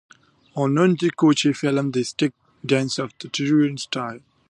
On Nonouti Koch filmed the stick dance of the "tirere" style.